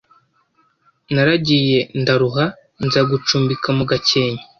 Naragiye ndaruha nza gucumbika mu gakenke